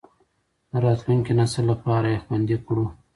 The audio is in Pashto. د راتلونکي نسل لپاره یې خوندي کړو.